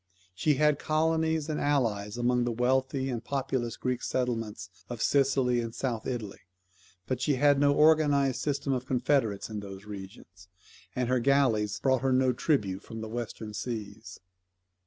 She had colonies and allies among the wealthy and populous Greek settlements in Sicily and South Italy, but she had no organized system of confederates in those regions; and her galleys brought her no tribute from the western seas.